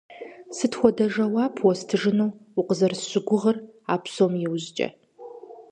Сыт хуэдэ жэуап уэстыжыну укъызэрысщыгугъыр а псом иужькӀэ?